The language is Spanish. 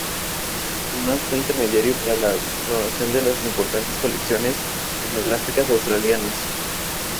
Además, fue el intermediario para la donación de las importantes colecciones etnográficas australianas.